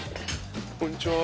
こんにちは。